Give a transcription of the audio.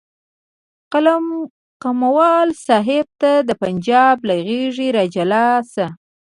قلموال صاحب ته د پنجاب له غېږې راجلا شه.